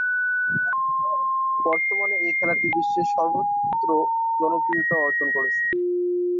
বর্তমানে এ খেলাটি বিশ্বের সর্বত্র জনপ্রিয়তা অর্জন করেছে।